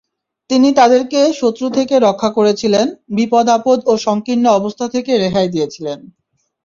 তিনি তাদেরকে শত্রু থেকে রক্ষা করেছিলেন, বিপদ-আপদ ও সংকীর্ণ অবস্থা থেকে রেহাই দিয়েছিলেন।